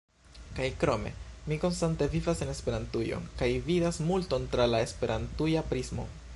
Kaj krome, mi konstante vivas en Esperantujo kaj vidas multon tra la esperantuja prismo.